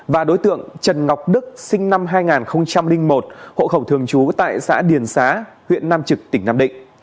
và đối tượng trần ngọc đức sinh năm hai nghìn một hộ khẩu thường trú tại xã điền xá huyện nam trực tỉnh nam định